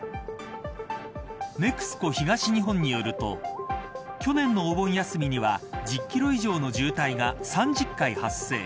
ＮＥＸＣＯ東日本によると去年のお盆休みには１０キロ以上の渋滞が３０回発生。